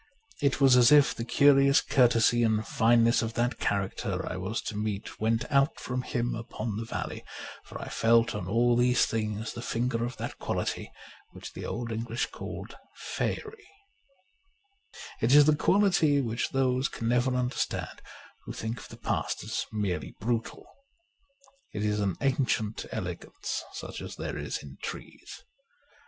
It was as if the curious courtesy and fineness of that character I was to meet went out from him upon the valley ; for I felt on all these things the finger of that quality which the old English called * faerie '; it is the quality which those can never understand who think of the past as merely brutal ; it is an ancient elegance such as there is in trees.